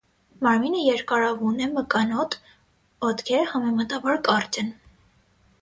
Մարմինը երկարաւուն է, մկանոտ, ոտքերը՝ համեմատաբար կարճ են։